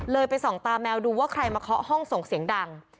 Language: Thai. ไปส่องตาแมวดูว่าใครมาเคาะห้องส่งเสียงดัง